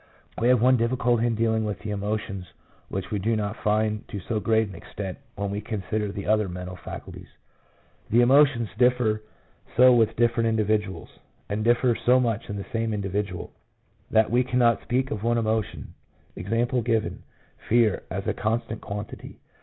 We have one difficulty in dealing with the emotions which we do not find to so great an extent when we consider the other mental faculties. The emotions differ so with different individuals, and differ so much in the same indi vidual, that we cannot speak of one emotion — e.g., fear, as a constant quantity.